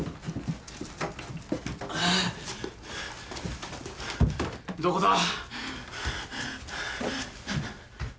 ああどこだ？